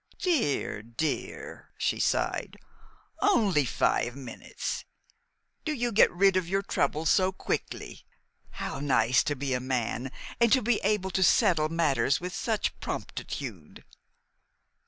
"Dear, dear!" she sighed. "Only five minutes? Do you get rid of your troubles so quickly? How nice to be a man, and to be able to settle matters with such promptitude."